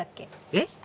えっ？